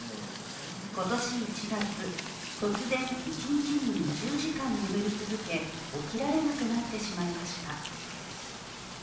今年１月、突然、一日に２０時間眠り続け起きられなくなってしまいました。